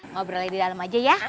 ngobrol aja di dalam aja ya